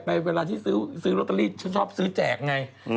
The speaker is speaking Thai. เวลาที่ซื้อลอตเตอรี่ฉันชอบซื้อแจกไง